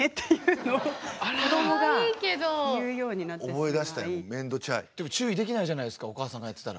でついにこの間は注意できないじゃないですかお母さんがやってたら。